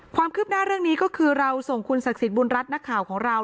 ความคืบหน้าเรื่องนี้ก็คือเราส่งคุณศักดิ์สิทธิบุญรัฐนักข่าวของเรา